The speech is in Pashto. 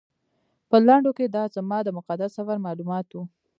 په لنډو کې دا زما د مقدس سفر معلومات و.